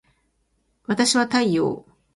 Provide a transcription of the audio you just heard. わたしは太陽